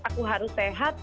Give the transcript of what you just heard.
aku harus sehat